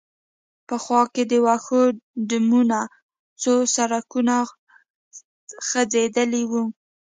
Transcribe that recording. په خوا کې د وښو ډمونه، څو سړکونه غځېدلي و.